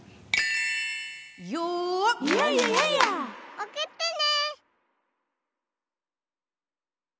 おくってね。